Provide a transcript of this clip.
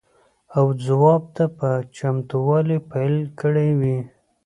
او ځواب ته په چتموالي پیل کړی وي.